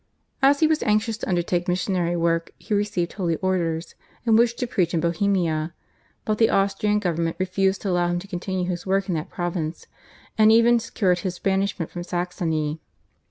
As he was anxious to undertake missionary work he received Holy Orders, and wished to preach in Bohemia, but the Austrian government refused to allow him to continue his work in that province, and even secured his banishment from Saxony.